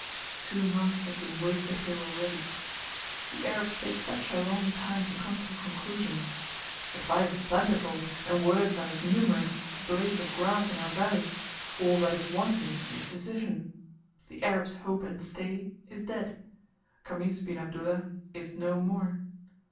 Two months have been wasted here already. The Arabs take such a long time to come to a conclusion. Advice is plentiful, and words are as numerous as the blades of grass in our valley; all that is wanting indecision. The Arabs' hope and stay is dead Khamis bin Abdullah is no more.